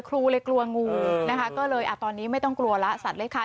ครูเลยกลัวงูนะคะก็เลยอ่ะตอนนี้ไม่ต้องกลัวแล้วสัตว์เล็กคัน